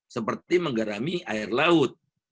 seperti menggarami air laut